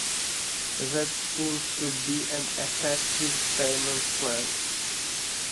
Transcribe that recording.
That seems to be an effective payment plan